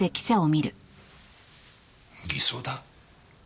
偽装だ？